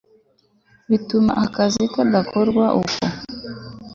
bituma akazi kadakorwa uko